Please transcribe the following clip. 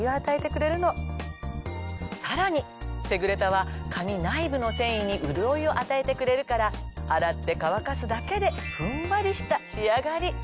さらにセグレタは髪内部の繊維に潤いを与えてくれるから洗って乾かすだけでふんわりした仕上がり！